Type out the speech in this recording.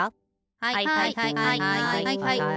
はいはいはい。